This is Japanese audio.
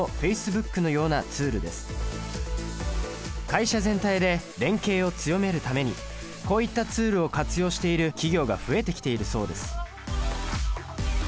会社全体で連携を強めるためにこういったツールを活用している企業が増えてきているそうです。